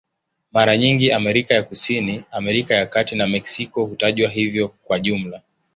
Mara nyingi Amerika ya Kusini, Amerika ya Kati na Meksiko hutajwa hivyo kwa jumla.